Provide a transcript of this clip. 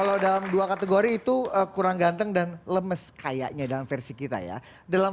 kalau dalam dua kategori itu kurang ganteng dan lemes kayaknya dalam versi kita ya